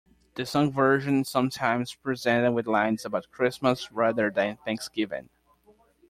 The song version is sometimes presented with lines about Christmas, rather than Thanksgiving.